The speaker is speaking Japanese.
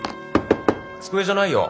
机じゃないよ。